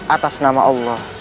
atas nama allah